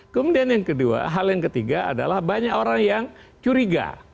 kemudian yang kedua hal yang ketiga adalah banyak orang yang curiga